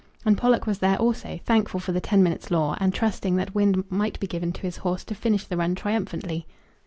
And Pollock was there also, thankful for the ten minutes' law, and trusting that wind might be given to his horse to finish the run triumphantly.